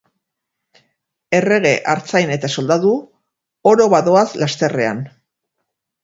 Errege, artzain eta soldadu, oro badoaz lasterrean.